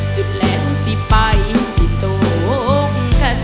จุดแล้วสิไปที่ตกขสาม